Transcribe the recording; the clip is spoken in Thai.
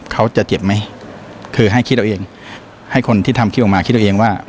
เขาจะเจ็บไหมคือให้คิดเอาเองให้คนที่ทำคลิปออกมาคิดเอาเองว่า